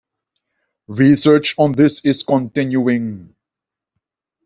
Research on this is continuing.